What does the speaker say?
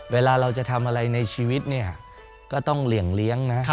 เวลาเราจะทำอะไรในชีวิตเนี่ยก็ต้องเหลี่ยงเลี้ยงนะ